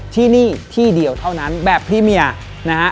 ที่นี่ที่เดียวเท่านั้นแบบพรีเมียนะฮะ